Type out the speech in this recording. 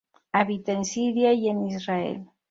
Habita en Siria y en Israel.